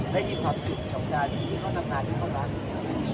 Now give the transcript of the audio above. ได้มีความสุขกับด้านที่เขานำหากับร้านนี้